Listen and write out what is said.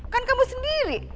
kan kamu sendiri